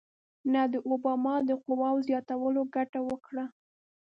نه د اوباما د قواوو زیاتولو ګټه وکړه.